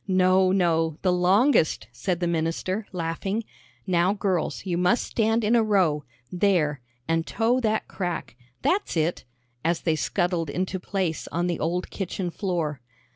"No, no, the longest," said the minister, laughing. "Now, girls, you must stand in a row there and toe that crack. That's it," as they scuttled into place on the old kitchen floor.